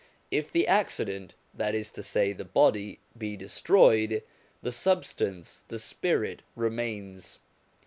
If the accident, that is to say the body, be destroyed, the substance, the spirit remains.